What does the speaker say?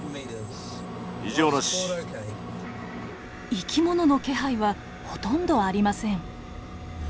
生き物の気配はほとんどありません。